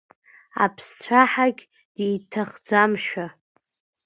Аԥсцәаҳагь диҭахӡамшәа…